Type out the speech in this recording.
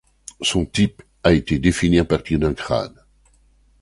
Son type a été défini à partir d'un crâne.